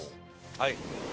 はい。